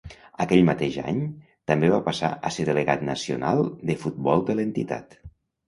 Aquell mateix any, també va passar a ser delegat nacional de futbol de l’entitat.